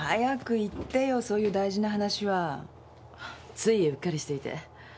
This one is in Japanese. ついうっかりしていて。